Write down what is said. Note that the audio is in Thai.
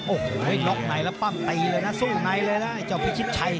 โอ้โหล็อกในแล้วปั้งตีเลยนะสู้ในเลยนะไอ้เจ้าพิชิตชัย